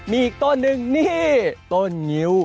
มีอีกต้นนึงนี่ต้นเงียว